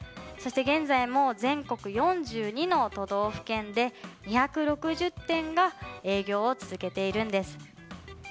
そして、現在も全国４２の都道府県で２６０店が営業を続けているんです。